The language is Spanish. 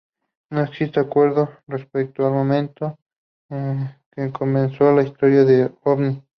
No existe acuerdo respecto al momento en que comenzó la historia de los ovnis.